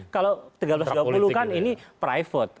kalau seribu tiga ratus dua puluh kan ini private